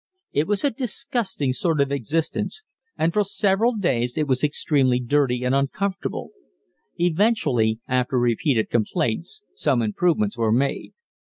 It was a disgusting sort of existence, and for several days it was extremely dirty and uncomfortable. Eventually, after repeated complaints, some improvements were made.